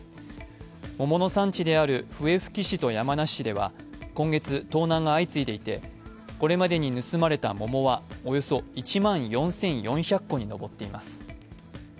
桃の産地である笛吹市と山梨市では今月、盗難が相次いでいてこれまでに盗まれた桃はおよそ１万４４００個に上っています。